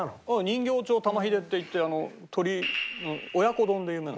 人形町玉ひでっていって鶏の親子丼で有名。